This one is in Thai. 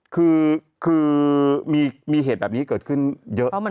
คือมีเหตุแบบนี้เกิดขึ้นเยอะ